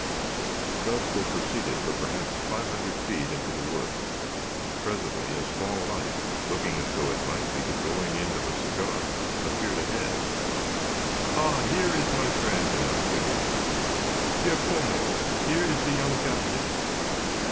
Thus they proceeded for perhaps five hundred feet into the woods. Presently a small light, looking as though it might be the glowing end of a cigar, appeared ahead. "Ah, here is my friend," announced the guide. "Giacomo, here is the young captain."